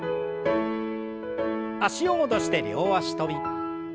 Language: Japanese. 脚を戻して両脚跳び。